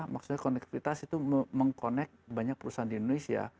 maksudnya konektivitas itu meng connect banyak perusahaan di indonesia